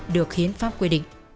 được hiến pháp quy định